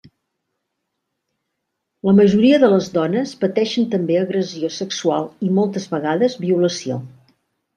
La majoria de les dones pateixen també agressió sexual i moltes vegades violació.